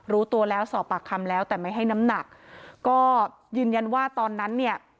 รู้ตัวแล้วสอบปากคำแล้วแต่ไม่ให้น้ำหนักก็ยืนยันว่าตอนนั้นเนี่ย